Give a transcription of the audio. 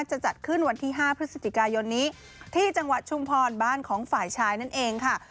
จะจัดขึ้นวันที่๕พฤศจิกายนนี้ที่จังหวัดชุมพรบ้านของฝ่ายชายนั่นเองค่ะ